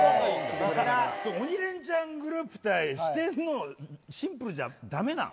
「鬼レンチャン」グループ対四天王シンプルじゃだめなの？